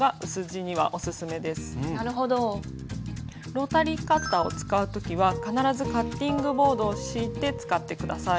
ロータリーカッターを使う時は必ずカッティングボードを敷いて使って下さい。